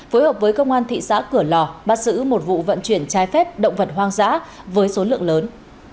phối hợp với công an thị xã cửa lò bắt giữ một vụ vận chuyển trái phép động vật hoang dã với số lượng lớn